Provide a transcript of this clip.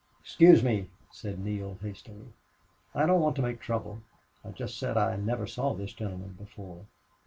"Excuse me," said Neale, hastily. "I don't want to make trouble. I just said I never saw this gentleman before."